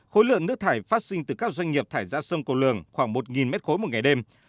khối lượng nước thải phát sinh từ các doanh nghiệp thải ra sông cầu lường khoảng một m ba một ngày đêm